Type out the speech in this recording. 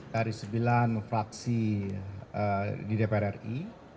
dari sembilan fraksi di dpr ri